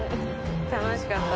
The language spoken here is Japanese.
楽しかった。